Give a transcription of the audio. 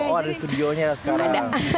oh ada studionya sekarang